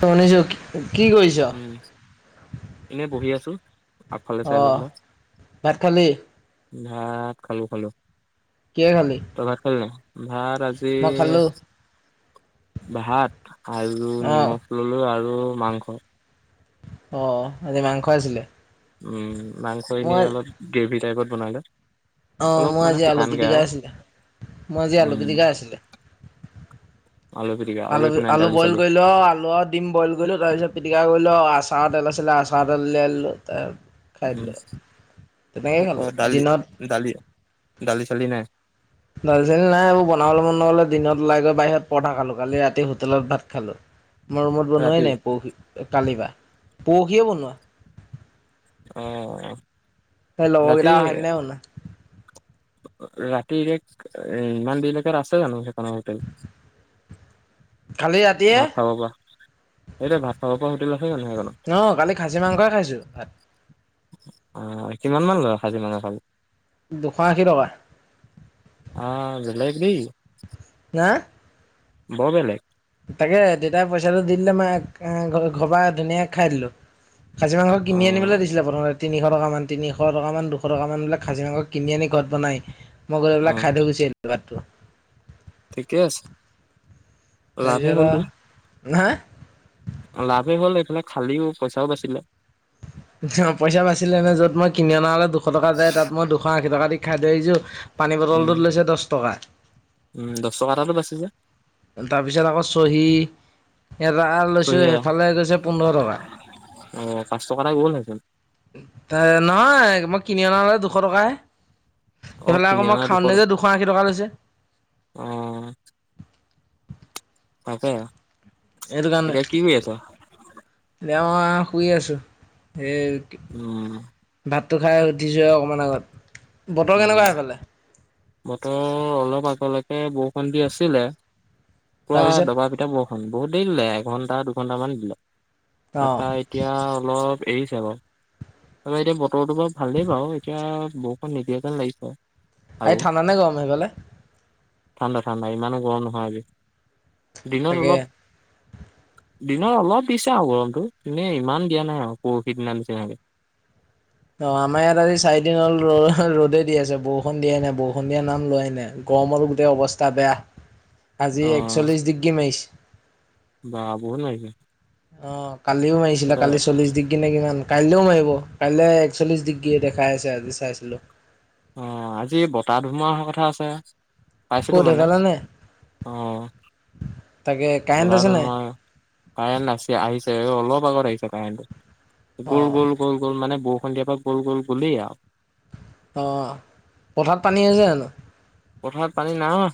শুনিছো কি কৰিছ উম, এনেই বহি আছো। আগফালে চাই লৈ অ' পেলাই ভাত খালি? ভাত খালো খালো। কিহে খালি তই ভাত খালি নে? ভাত আজি মই খালো ভাত, আৰু অ নিমখ ল'লো, আৰু মাংস। অ' আজি মাংস আছিলে? উম মাংস এনে মই অলপ গ্ৰেভি টাইপত বনালো অ' মোৰ আজি আলুপিটিকা আছিলে, মূৰ আজি উম। আলুপিটিকা আছিলে। [inaudible] পিটিকা আৰু আলু, একো নাই আলু দালি বইল চালি কৰিলো আও, আলু আৰু দিম বইল কৰিলো। তাৰপিছত পিটিকা কৰিলো আ আচাৰৰ তেল আছিলে, আচাৰৰ তেল উলিয়াই ললোঁ। খাই উম, দিলো। তেনেকেই খালো দিনত- দালি-চালি নাই? দাল-চালি নাই, এইবোৰ বনাবলৈ মন নগলে, দিনত ওলাই গৈ বাহিৰত পৰঠা খালো। কালি ৰাতি হোটেলত ভাত খালো। মই ৰুমত ৰাতি বনোৱাই নাই, পৰহি কালিৰ পা। পৰহিয়ে বনোৱা। অ'। ৰাতি লগৰকেইটা অহাৰ দিনাই বনোৱা। ৰাতি ৰেক, ইমান দেৰিলৈকে আছে জানো সেইখন হোটেল? [inaudible] কালি ৰাতিয়ে ভাত খাব পৰা, সেইটোৱে ভাত খাব পৰা হোটেল আছে জানো সেইখনত? নহয় কালি খাছী মাংসয়ে খাইছো, ভাত। অ'। কিমান মান লয় খাছী মাংস খালে? দুশ-আশী টকা। অ' বেলেগ দেই। হা বৰ বেলেগ! তাকে দেউতাই পইচাটো দি দিলে, মে ঘৰপা ধুনীয়াকে খাই দিলো। খাছী মাংস কিনি আনিবলৈ অ' দিছিলে প্ৰথমতে তিনিশ টকামান, তিনিশ টকামান, দুশ টকা মান বোলে খাছী মাংস কিনি আনি ঘৰত বনাহি। মই গৈ পেলাই অ' খাই থৈ গুছি আহিলোঁ ভাতটো। ঠিকে আছে। লাভেই হ'লতো। নাই। লাভেই হ'ল এইফালে, খালিও, পইচাও বাচিলে। অ' পইচা বাছিলে নে? য'ত মই কিনি অনা হ'লে দুশ টকা যায়, তাত মই দুশ আশী টকা দি খাই থৈ আহিছোঁ। পানী বটলটোত উম লৈছে দশ টকা। উম দশ টকা এটাটো বাচিছে। তাৰপিছত আকৌ চহী এৰা আৰু চহী লৈছো সেইফালে গৈছে পোন্ধৰ টকা অ পাঁচ টকা এটা গ'ল নহয় মই কিনি অনালে দুশ টকাই অ' সেইফালে আকৌ কিনি মই অনা খাওঁ তে টকা যে দুশ আশী টকা লৈছে অ' তাকে সেইটো এতিয়া কি কৰি আছ দে শুই আছোঁ এই ভাত উম ভাতটো খাই উঠিছোঁৱ আৰু অকণমান আগত বতৰ উম কেনেকুৱা সেইফালে বতৰ অলপ আগলৈকে বৰষুণ দি আছিলে পোৰা তাৰপিছত দবা পিটা বৰষুণ বৰষুণ বহুত দেৰি দিলে এঘণ্টা দুঘণ্টামান দিলে অঁ তাৰপা এতিয়া অলপ এৰিছে আক এতিয়া বতৰটো বাৰু ভালেই বাৰু এতিয়া ব নিদিয়ে যেন লাগিছে আৰু। আজি ঠাণ্ডা নে গৰম সেই ফালে ঠাণ্ডা ঠাণ্ডা ইমানো গৰম নহয় আজি দিনত তাকে অলপ দিনৰ অলপ দিছে আৰু গৰমতটো এনে ইমান দিয়া নাই আৰু পৰহিৰ দিনা দিছে এনেকে অ আমাৰ ইয়াত আজি চাৰিদিন হল ৰদে দি আছে বৰষুণ দিয়াই নাই বৰষুণ দিয়া নাম লোৱাই নাই গৰমত গোটেই অৱস্থা বেয়া [unintelligible] আজি একচল্লিশ ডিগ্ৰী মাৰিছে বাব বহুত মাৰিছে অ কালিও মাৰিছিলা তাতে কালি চল্লিছ ডিগ্ৰী কি নে কিমান কাইলৈও মাৰিব কাইলৈ একচল্লিশ ডিগ্ৰী দেখাই আছে আজি চাইছিলোঁ অ আজি বতাহ ধুমুহা অহা কথা আছে পাইছিলোঁ ক'ত মানে সেইফালে নে অহ তাকে কাৰেণ্ট বতাহ আছে নাই ধুমুহা কাৰেণ্ট আছে আহিছে অলপ আগত আহিছে কাৰেণ্টটো গ'ল অ', গ'ল গ'ল গ'ল মানে বৰষুণ দিযা পৰা গ'ল গ'ল গ'লেই আৰু অ পথাত পানী আছে জানো পথাৰত পানী নাই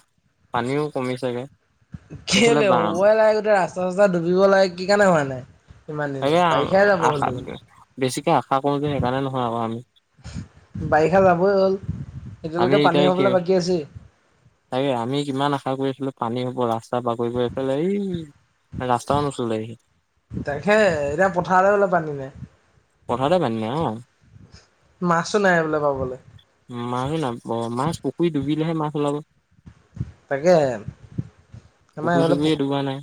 পানীও কমিছেগে এইফালে কেলে বা হ'বই লাগে গোটেই ৰাস্তা ডুবিব লাগে কি কাৰণে হোৱা নাই ইমান দিনে আকে বাৰিষাই যাব হ'ল আশা দেখোন বেছিকে আশা কৰোঁ যে সেইকাৰণে নহয় আমি বাৰিষা যাবই হ'ল আমি এতিয়ালৈকে পানী এতিয়া হবলৈ বাকী আছিল তাকে আমি কিমান আশা কৰিছিলো পানী হ'ব ৰাস্তা বাগৰি গৈ পেলাই এই ৰাস্তাও নোচোলেহি তাকে এতিয়া পথাৰলে গলে পানী নাই পথাৰতে পানী নাই অ মাছো নাই বোলে পাবলৈ মা মাছ পুখুৰী ডুবিলেহে মাছ উলাব তাকে আমাৰ পুখুৰী এইফালে চুখুই টো ডুবাই নাই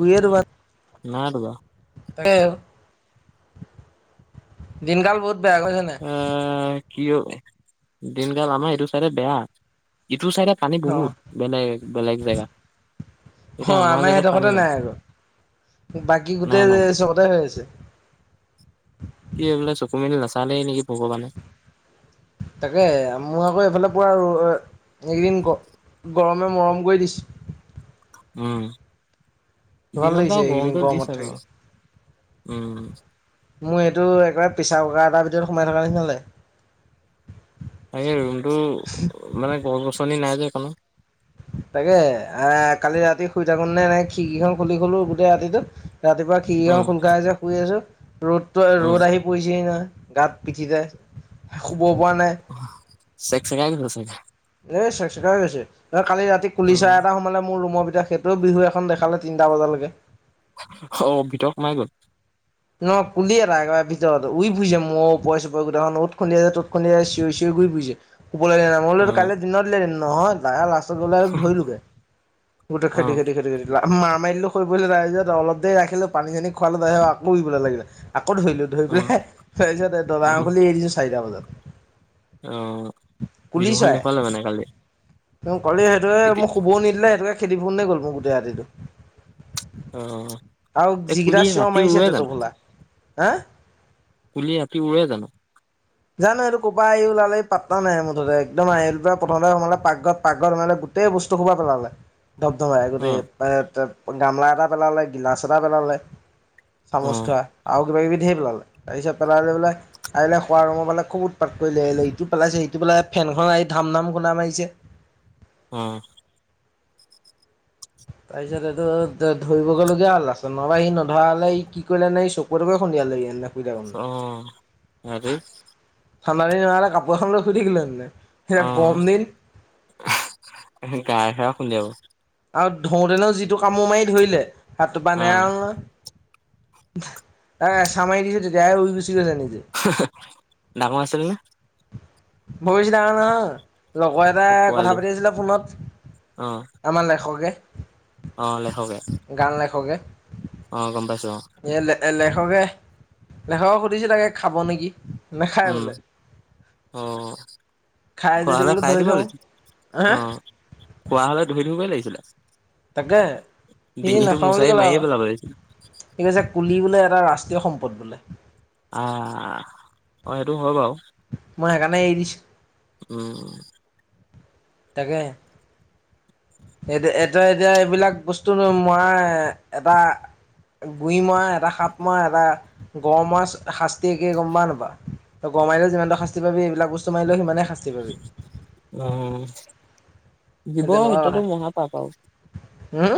ভোও ৰোবা না দুৱা তাকে দিনকাল বহুত। বেয়া গম পাইছা নাই আহ কি দিনকাল আমাৰ এইটো চাইদে বেয়া। টো চাইডে পানী অ'। বহুত বেলেগ বেলেগ জেগা। অ আমাৰ হেইদখতে নাই আৰু বাকী নাই গোটেই নাই চকতে হৈ আছে। কি বোলে চকু মেলি নাচালেই নেকি ভগৱানে। তাকে মই আকৌ এইফালে পোৱা ৰৰ এইকেইদিন গ গৰমে মৰম কৰি দিছে। উম ভাল দিনত লাগিছে বাও এইকেইদিন গৰমটো গৰমত দিছে বাও থাকি উম। মোৰ এইটো একেবাৰে প্ৰেছাৰ কুকাৰ এটাৰ ভিতৰত সোমাই থকা নিচিনা লগে। তাকে ৰুমটো মানে গছ গছনি নাই যে সেই কাৰনে। তাকে কালি ৰাতি শুই থাকো নে এনেক খিৰকী খুলি থলোঁ গোটেই ৰাতিটো ৰাতিপুৱা উম খিৰিকিখন খুল খাই আছে শুই আছোঁ ৰ'দটো উম ৰ'দ আহি পৰিছেহি নাহই গাত পিঠিতে পৰা নাই চেকচকাই গৈছেগে। এ চেক চেকাই গৈছে কালি ৰাতি কুলি উম চাৰাই এটা সময়ে মোৰ ৰুমৰ ভিত সেইটোও বিহু এখন দেখালে তিনিটা বজালৈকে অ ভিতৰত সোমাই গ'ল। ন কুলি এটা একেবাৰে ভিতৰত উই ফুৰিছে মোৰ ওপচ চোপৰে গোতেইখন অত খুন্দিয়াইছে তত খুন্দিয়াইছে চিঞৰি চিঞৰি। উই ফুৰিছে ওপলে নেযায় মইলো অ কাইলে দিনত উলিয়ায় দিম নহয় লাষ্টত গলে ধৰিলোগে। গোটেই অ খেদি খেদি খেদি লা মা মাৰি দিলো সৰি পৰিল তাৰপিছত অলপ দেৰি ৰাখিলো পানী চানী খোৱালো তাছত আকৌ উৰিবলে লাগিলে। আকৌ ধৰিলো ধৰি অ পেলাই তাৰ পিছত দবা খনখুলি এৰি দিছোঁ চাৰিটা বজাত। অহ বিহুখন দেখুৱালে মানে কালি। কলি সেইটোৱে এতিয়া মোক শুবও নিদিলে সেইটোকে খেদি ফোৰোংতে গ'ল মোৰ গোটেই ৰাতিটো। অ আৰু এই যিকিটা কুলি চিঞৰ ৰাতি মাৰিছে উৰে জানো তেটোফলা হেএ কুলি ৰাতি উৰে জানো। জানো এইটো ক পা আহি ওলালেহি পাত্তা নাই মুঠতে একদম আহি প্ৰথমতে সোমালে পাকঘৰত পাকঘৰ সোমালে গোটেই বস্তু সোপা পেলালে। ধপ ধপাই অ গোটেই গামলা এটা পেলালে গিলাচ এটা পেলালে। অ চামুচ থোৱা আৰু কিবা কিবি ধেই পেলালে তাৰপিছত পেলালে বোলে আহিলে। সোৱা ৰোমৰ ফালে খুব উৎপাত কৰিলে আহি লৈ ইটো পেলাইছে সিটো পেলাই ফেনখন আহি ধাম ধাম খুন্দা মাৰিছে। ওম। [inaudible] তাৰপিছত এইটো ধ ধৰিবগৈ লগীয়া হ'ল লাছতত নহবা সি নধৰা হ'লে ই কি কৰিলেনে এই চকুৱে টকুৱে খুন্দিয়ালেগে হেলে অ আৰেই ঠাণ্ডা দিন হোৱা হলে কাপোৰ এখন লৈ শুই থাকিলো হেতেন অ গাই চায়ে খুন্দিয়াব আৰু ধৰোতেনো যিটো কামোৰ মাৰি ধৰিলে হাতটো পা অ নেৰা হ'ল নহয়। এ এচামাই দিছোঁ তেতিয়াহে উৰি গৈছে নিজে হে হে ডাঙৰ আছিল নে? বৰবেছি ডাঙৰ নহয়। লগৰ অ এটাই কথা পোৱালি পাতি আছিলে ফোনত আমাৰ লেখকে। অঁ লেখকে। অ গম পাইছো অ এ লে লেখকে লেখকক সুধিছো তাকে খাব নেকি। নাখায় উম বোলে অ। খাই খোৱা যদি হলে বোলো খাই ধৰি দিব থওঁ লাগিছিল হে অ খোৱা হলে ধৰিদিবগৈ লাগিছিলে। তাকে সি ডিঙিটো নাখাওঁ বুলি মোচাৰি ক'লে আক। মাৰিয়ে পেলাব লাগিছিলে কি কৈছে কুলি বোলে এটা ৰাষ্ট্ৰীয় সম্পদ বোলে। আহ অ সেইটো হয় বাৰু। মই সেইকাৰণে এৰি দিছো। উম তাকে এতিয়া এতিয়া এতিয়া এইবিলাক বস্তু ন মই এটা গুৰি মআ এটা সাপ মআ এটা গ় মআ শাস্তি একে গম পা নেপা গৰু মাৰিলে যিমানটো শাস্তি পাবি এইবিলাক বস্তু মাৰিলে সিমানে শাস্তি পাবি জীৱ সত্যা টো মহা পাপ আও হুউ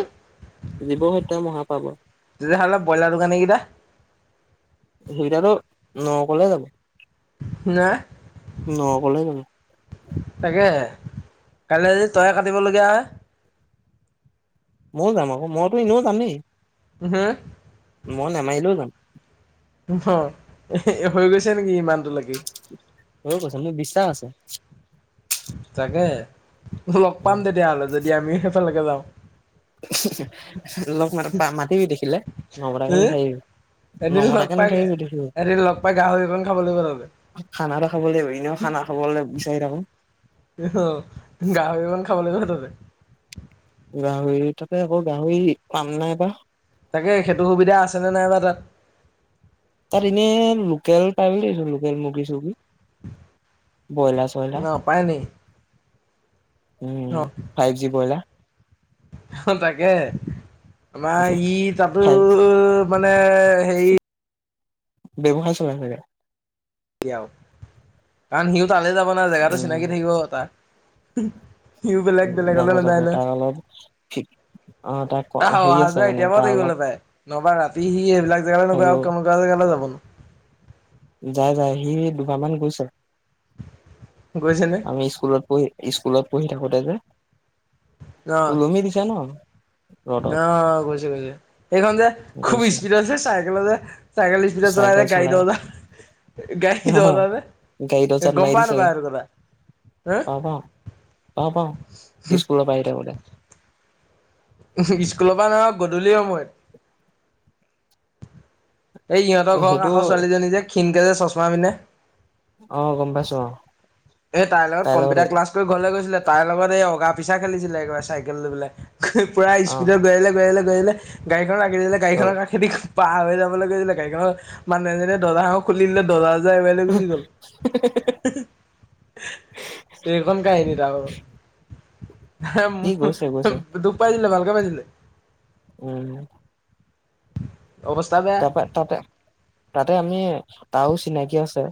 জীৱ সত্য মহাপাব তেতিয়াহলে ব্ৰইলাৰ দোকানী কেইটা সেইকেইটাটো নৰকলে যাব ন। নৰ কলে যাব। তাকে কাইলৈ যদি তহে কাটিবলগীয়া হয়। ময়ো যাম আকৌ মইতো এনেও যামেই। হম। মই নেমাৰিলেও যাম। অ হৈ গৈছে। নেকি ইমানটোলৈকে মোৰ বিশ্বাস আছে। তাকে লগ পাম তেতিয়াহ'লে যদি আমিও সেইফালেকে যাওঁ। লগ মা মাতিবি দেখিলে নমতাকৈ এ নাথাকিবি। এদিন লগ নমতাকে পাই নাথাকিবি দেখিলে এদিন লগ পাই গাহৰি। খাব লাগিব তহঁতে। খানা খাব লাগিব, এনেও খানা খাবলৈ বিচাৰি থাকো। গাহৰি মাংস খাব লাগিব তহঁতে। গাহৰি তাতে আকৌ গাহৰি পাম নাই বা। তাকে সেইটো সুবিধা আছেনে নাইবা তাত। তাৰ এনেই লোকেল পাবি লোকেল মুৰ্গী চুৰ্গী। বইলা চয়লা। নাপায় নি উম ফাইভ জি বলা। অ তাকে। আমাৰ ই তাতো ফাইভ মানে হে। ব্যৱহাৰ চলাই থে। আৰু কাৰণ সিও তালৈ যাব না জেগাটো উম চিনাকি থাকিব এ তটা। সিওঁ বেলেগ যাব বেলেগলৈ যাব নাযায় নহয়। তাৰ অলপ অ তাৰ আহ হেৰি অহা আছে যোৱা মানে এতিয় পৰাও তাৰ থাকি অলপ গলে পাই নবা ৰাতি সি এইবিলাক জেগালৈ নগৈ থাকিব আৰু কেুৱা জেগালৈ যাব নো। [unintelligible] যাই যাই সি ও দুবাৰমান গৈছে। গৈছে নে আমি স্কুলত পঢ়ি স্কুলত পঢ়ি থাকোতে যে। অ ওলমি দিছো ন। ৰ'দত অ কৈছে গৈছে এইখন যে খুব গৈছে স্পীডতছে চাইকেল যে চাইকেল স্পীড চলাই। গাই দা গাই অ দত যে গম পোৱা নাপায় আৰু কথা। [unintelligible] পাও পাও, পাও পাও স্কুলৰ পৰা আহি থাকোতে। স্কুলৰ পৰা নহয় গধূলি সময়ত। এই ইহঁতৰ ঘৰৰ সেইটো কাষৰ ছোৱালীজনী যে ক্ষীণকে যে চশমা অ গম পাইছো পিন্ধনে। অ এই তাইৰ লগত কম্পিউটাৰ ক্লাছ কৰি ঘৰলৈ গৈছিলে তাইৰ লগত এই অগা পিছা খেলিছিলে একেবাৰে চাইকেল লৈ পেলাই। পুৰা অ স্পীডত গৈআছিলে গৈআছিলে গ গাড়ীখনো আগেৰিে গাড়ীক খেদি। পাৰ হৈ যাবলৈ লৈছিলে গাড়ী খনৰ মানুহ জনে দজা খন খুলি দিলে দজা। যাই মলে গুজি গ'ল। এইখন কাই আহদি ত ব। ই গৈছে গৈছে দুখ পাইছিলিলে ভালকে পাইছিলে। উম। অৱস্থা বেয়া তাৰপ তাৰপৰা তাৰপৰা, আমি তাৰও চিনাকি আছে।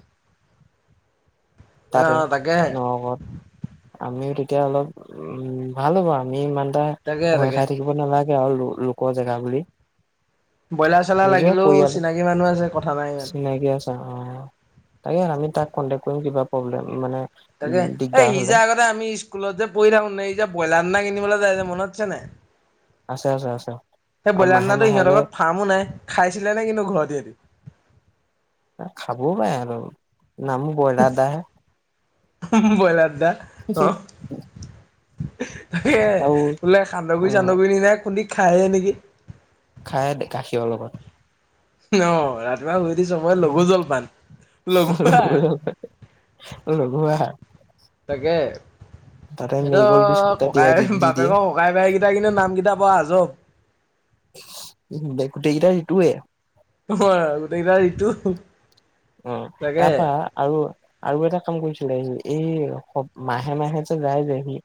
তাতে, অ তাকেহে নগৱত আমিও তে। এতিয়া অলপ, উম ভাল হ'ব আমি ইমান এটা তাকে ভয় তাকে খাই থাকিব নালাগে। আৰু লোকোৱা জেগা বুলি। ব্ৰইলাৰ চইলাৰ নিজৰে লাগিলেও পৰিয়াল, চিনাকি মানুহ আছে কথা নাই ইমান। চিনাকি আছা আহ। তাকে আমি তাক কণ্টেক কৰিম কিবা প্ৰব্লেম মানে। তাকে উম এই দিগদাৰ সি যো হলে আগতে আমি স্কুলত যে প়ি থাকো নে এই যে ব্ৰইলাৰ দিনা কিনিবলৈ। পায়ই যে মনত আছে নাই। আছে আছে আছে। সেই আৰু ব্ৰইলাৰ মাহে দাননাো মাহে সিহঁতৰ যে লগত ফাৰ্মো নাই খাইছিলে নে কিন্তু ঘৰৰত ইহতি। খাবও পাই আৰু, নামো বইলাৰ দাহে। বইলাৰ দ। হো। ত বোলে অ সান্দহগুৰি চান্দগুৰি নি নাই খুন্দি খাইহে নেকি? খাই গাখীৰৰ লগত। অ ৰাতি। হৈ দিছো মই লগঘু জলপান লগুৰা। লঘু আহাৰ তাকে। তাতে সেইটো মেৰিগ'ল্ড বিস্কুট এটা ককাই তিয়াই দি বাপেক দিয়ে ককাই বাইকেইটাই কিন্তু নাম কেইটা প আজ। গোতেই কেইটা। অ গোটেইকেইটা ঋতু, অ তাকে। তাৰপা আৰু আৰু এটা কাম কৰিছিলেি এই মাহে মাহে যে যায় যে সি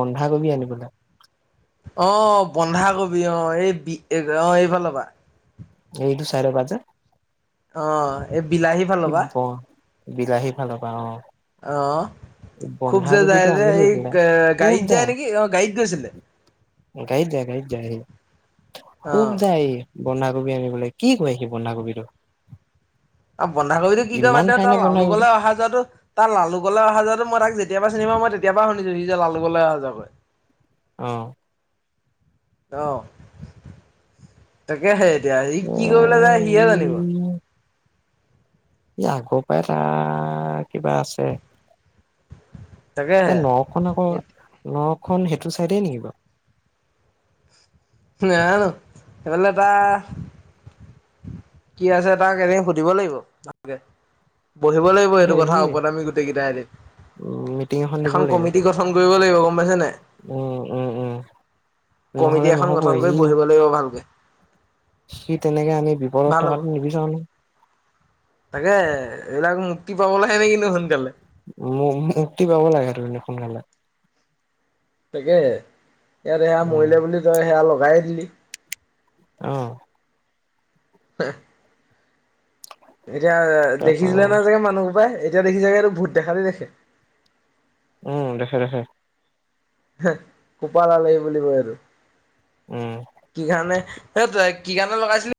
বন্ধাকবি আ। কিনিবলে। আহ বন্ধাকবি অ, এই বি অ এইফালৰ পৰা। এই দু চাৰে বাজে। অ এই বিলাহী ফালৰ হ'বা। বিলাহী ফালৰ অ' পৰাওঁ অ। খুব যে যায় বন্ধাকবিটো যে আনিলো এই পা, গাড়ীত খুব যায়। নেকি অ' গাড়ীত গৈছিলে গড়ীত যাই গড়ীত য আহি, অ' খুব যায় আহ বন্ধকবি আনিবলে। কি কৈ সি বন্ধাকবিটো। বন্ধাকবিতটো কি কয় বা ইমান দেউ খাই তাৰ নে লালু বন্ধাকবিটো গলে অহা যোৱাতটো তাৰ, লালু গলে অহা যোৱা মই তাক যেতিয়াৰা চিনে পাও ম। তেতিয়াৰা শুনিছো সি যে লালু গলে অহা যোৱা কৈ। আহ। অ, তাকে সেই। এতিয়া সি কি কৰিবলৈ যায় সি হে জানিব। ই আগৰ পৰাই ত কিবা আছে। তাকেহে নখন আকৌ, নখন সেইটো চাইডে নেকি বাৰু। নাজানো হে ফালে এটা। কি আছে তাক এদিন সুধিব লাগিব ভালকে। বহিব লাগিব এইেইটো কথা সি ওপদামী গোটেই কেইটাই এদ। মিটিং দিব এখন লাগিব কমিটি গঠন কৰিব লাগিব গম পাইছেনে। উম, উম, উম, নহলে নহ'ব। প্ৰথম কৰি সি বহিব লাগিব ভালকে। সি তেনেকে আমি বিপদত ভাল হ'ব থকাটো নিবিচাৰো ন। তাকে এইবাৰ মুক্তি পাবলৈহে নে কিন্তু সোনকালে। মুক্তি পাব লাগে তে সোনকালে। তাকে, ইয়াত সেয়া উম, মৰিলে বুলি তই সেয়া লগাইে দিলি। আহ। আহা। এতিয়া তাৰপা দেখিছিলে নে অ', চাগে মানুহবো পাই এতিয়া দেখিছেগেটো ভূত দেখালেই দেখে। উম দেখে দেখে। হে কপাহ ওলালে হি বুলিব এইটো। উম। কি কাৰণে। এ তই কি গান তা লগাইছিলি?